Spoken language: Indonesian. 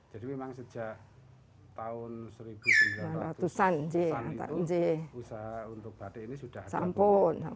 memang sejak tahun seribu sembilan ratus an itu usaha untuk batik ini sudah ada ampun